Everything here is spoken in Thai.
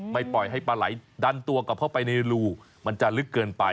ปล่อยให้ปลาไหลดันตัวกลับเข้าไปในรูมันจะลึกเกินไป